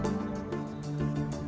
nil biposa dan hal sternif